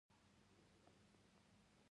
کیسې څه ښېګڼې لري له کیسو نه څه زده کوو.